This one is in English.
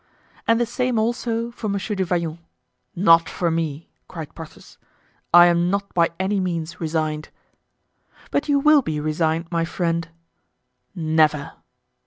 "And the same, also, for Monsieur du Vallon——" "Not for me," cried Porthos; "I am not by any means resigned." "But you will be resigned, my friend." "Never!"